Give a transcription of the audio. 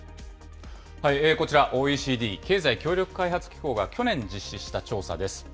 こちら、ＯＥＣＤ・経済協力開発機構が去年実施した調査です。